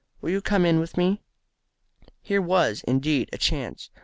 Will you come in with me?" Here was, indeed, a chance.